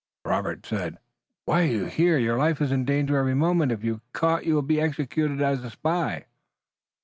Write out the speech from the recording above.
Robert's said: "Why are you here? Your life is in danger every moment. If caught you will be executed as a spy."